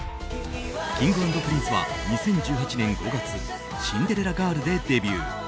Ｋｉｎｇ＆Ｐｒｉｎｃｅは２０１８年５月「シンデレラガール」でデビュー。